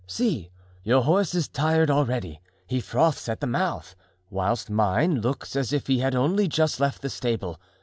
See! your horse is tired already, he froths at the mouth, whilst mine looks as if he had only just left the stable.